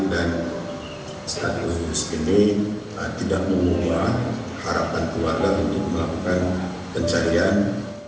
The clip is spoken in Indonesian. dan status ini tidak mengubah harapan keluarga untuk melakukan pencarian